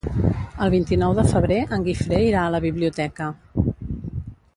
El vint-i-nou de febrer en Guifré irà a la biblioteca.